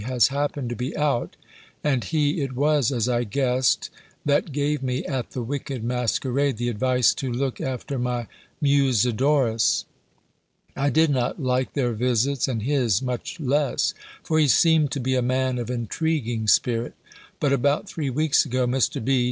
has happened to be out: and he it was, as I guessed, that gave me, at the wicked masquerade, the advice to look after my Musidorus. I did not like their visits, and his much less: for he seemed to be a man of intriguing spirit. But about three weeks ago, Mr. B.